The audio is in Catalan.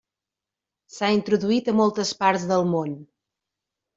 S'ha introduït a moltes parts del món.